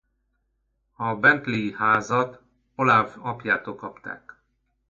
A bentleyi házat Olave apjától kapták.